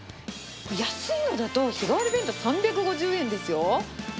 安いのだと、日替わり弁当３５０円ですよ。